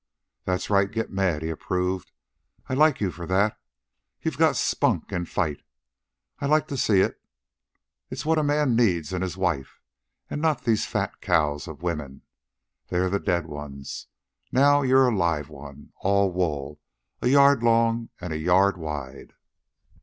"That's right, get mad," he approved. "I like you for that, too. You've got spunk an' fight. I like to see it. It's what a man needs in his wife and not these fat cows of women. They're the dead ones. Now you're a live one, all wool, a yard long and a yard wide."